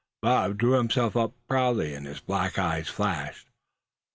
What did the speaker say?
Bob drew himself up proudly, and his black eyes flashed.